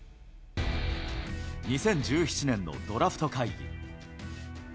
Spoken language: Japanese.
２０１７年のドラフト会議。